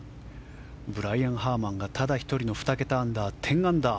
ブライアン・ハーマンがただ１人の２桁、１０アンダー。